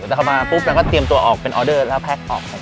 แต่เขามาปุ๊บเราก็เตรียมตัวออกเป็นออเดอร์แล้วแพ็คออก